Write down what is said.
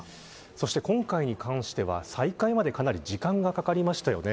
そして今回に関しては再開までかなり時間がかかりましたよね。